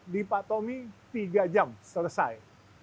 di pak tommy tiga jam selesai